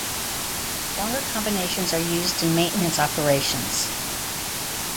Longer combinations are used in maintenance operations.